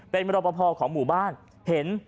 เป็นมรปภของหมู่บ้านเห็น